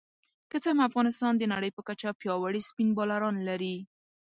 که څه هم افغانستان د نړۍ په کچه پياوړي سپېن بالران لري